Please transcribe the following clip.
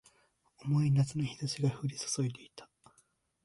重い夏の日差しが降り注いでいた